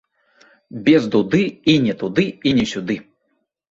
Без дуды і не туды, і не сюды!